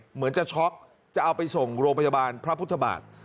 เหมือนจะช็อกจะเอาไปส่งโรงพยาบาลพระพุทธบาท